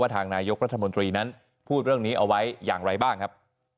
ทางนายกรัฐมนตรีนั้นพูดเรื่องนี้เอาไว้อย่างไรบ้างครับ